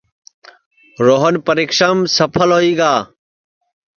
روہن پریکشام سپھل ہوئی گا